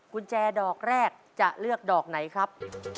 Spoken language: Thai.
กุญแจดอกแรกจะเลือกดอกไหนครับ